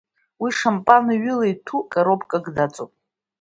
Уи ашампанҩы ала иҭәу коробкак даҵоуп.